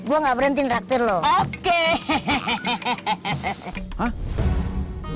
gua gak berhenti ngeraktir lu